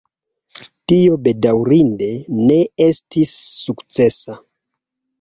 Tio bedaŭrinde ne estis sukcesa.